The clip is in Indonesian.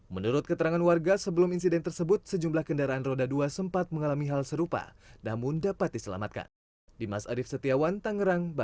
menurut keterangan warga sebelum insiden tersebut sejumlah kendaraan roda dua sempat mengalami hal serupa namun dapat diselamatkan